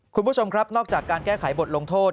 คุณผู้ชมครับนอกจากการแก้ไขบทลงโทษ